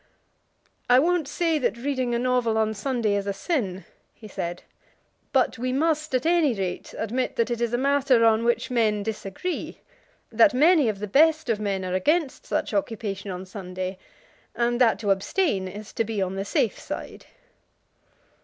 "I won't say that reading a novel on a Sunday is a sin," he said; "but we must at any rate admit that it is a matter on which men disagree, that many of the best of men are against such occupation on Sunday, and that to abstain is to be on the safe side."